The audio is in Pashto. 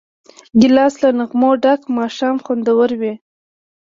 ګیلاس له نغمو ډک ماښام خوندوروي.